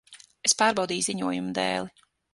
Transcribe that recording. Es pārbaudīju ziņojumu dēli.